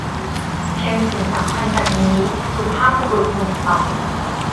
เพียงสิ่งสำคัญจากนี้ สุภาพบุรุษหนุ่มตอบ